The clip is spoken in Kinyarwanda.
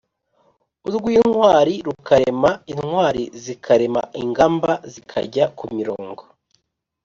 .Urw’intwari rukarema: Intwari zikarema ingamba(zikajya ku mirongo).